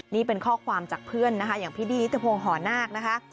นี่เป็นข้อความจากเพื่อนนะคะอย่างพี่ดี้ยุทธพงศ์หอนาคนะคะ